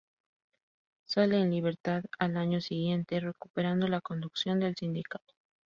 Sale en libertad al año siguiente, recuperando la conducción del sindicato.